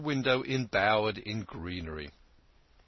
window em bowered in greenery.